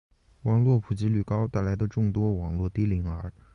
网络普及率高带来的众多网络低龄儿